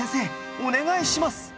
お願いします。